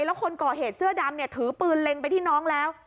แล้วคนก่อเหตุเสื้อดำเนี่ยถือปืนเล็งไปที่น้องแล้ว